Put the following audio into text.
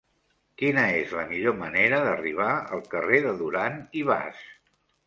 Quina és la millor manera d'arribar al carrer de Duran i Bas?